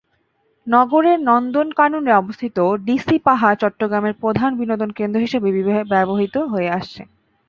নগরের নন্দনকাননে অবস্থিত ডিসি পাহাড় চট্টগ্রামের প্রধান বিনোদন কেন্দ্র হিসেবে ব্যবহূত হয়ে আসছে।